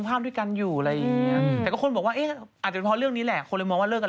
อาจจะเป็นเพราะเรื่องนี้แหละคนเลยมองว่าเลิกอะไร